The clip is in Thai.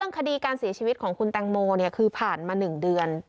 เรื่องคดีการเสียชีวิตของคุณแตงโมเนี่ยคือผ่านมา๑เดือน